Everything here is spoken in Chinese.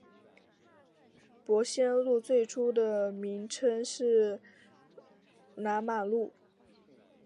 伯先路最初的名称是南马路。